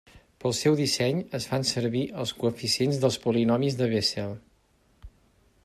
Pel seu disseny es fan servir els coeficients dels polinomis de Bessel.